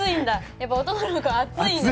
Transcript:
やっぱ男の子はアツいんだね。